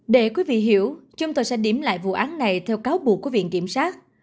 để quý vị hiểu chúng tôi sẽ điểm lại vụ án này theo cáo buộc của viện kiểm sát